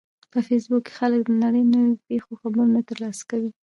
په فېسبوک کې خلک د نړۍ د نوو پیښو خبرونه ترلاسه کوي